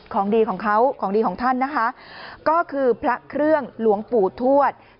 ของดีของเขาของดีของท่านนะคะก็คือพระเครื่องหลวงปู่ทวด